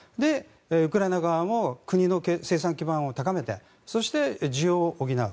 ウクライナ側も国の生産基盤を高めてそして、需要を補う。